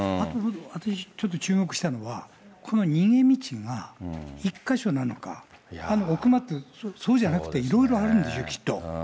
私、ちょっと注目したのは、この逃げ道が、１か所なのか、奥まってそうじゃなくて、いろいろあるんでしょう、きっと。